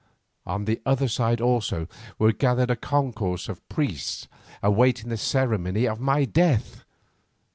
On the other side also were gathered a concourse of priests awaiting the ceremony of my death.